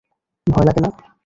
ভয় লাগে না?